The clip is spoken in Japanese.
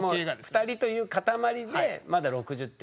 ２人という塊でまだ６０点。